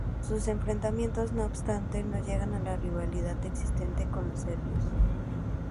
Sus enfrentamientos, no obstante, no llegan a la rivalidad existente con los serbios.